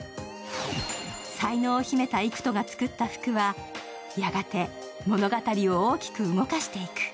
才能を秘めた育人が作った服はやがて物語を大きく動かしていく。